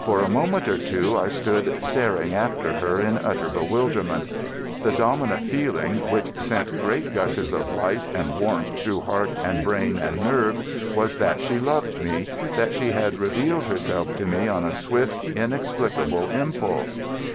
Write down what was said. For a moment or two I stood staring after her in utter bewilderment. The dominant feeling, which sent great gushes of light and warmth through heart and brain and nerve, was that she loved me, that she had revealed herself to me on a swift, inexplicable impulse.